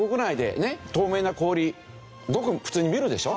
透明な氷ごく普通に見るでしょ？